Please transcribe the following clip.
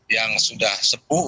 yang sudah sepuh